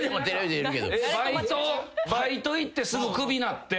バイト行ってすぐ首なって。